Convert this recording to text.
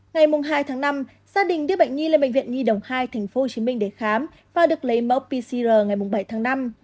ngày hai tháng năm gia đình đưa bệnh nhi lên bệnh viện nhi đồng hai thành phố hồ chí minh để khám và được lấy mẫu pcr ngày bảy tháng năm